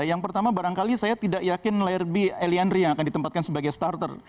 yang pertama barangkali saya tidak yakin lerby elianri yang akan ditempatkan sebagai starter